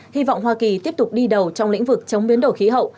hy vọng hoa kỳ tiếp tục đi đầu trong lĩnh vực chống biến đổi khí hậu